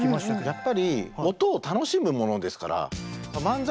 やっぱり音を楽しむものですから。